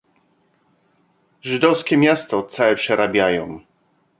"Żydowskie miasto całe przerabiają."